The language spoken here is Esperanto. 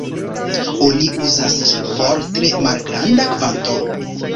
Oni uzas ĝin por tre malgranda kvanto.